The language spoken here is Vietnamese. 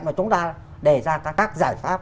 mà chúng ta để ra các giải pháp